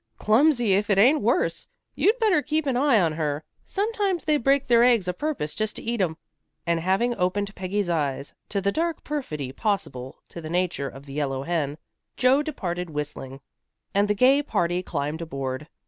"Clumsy, if it ain't worse. You'd better keep an eye on her. Sometimes they break their eggs a purpose just to eat 'em." And having opened Peggy's eyes to the dark perfidy possible to the nature of the yellow hen, Joe departed whistling, and the gay party climbed aboard.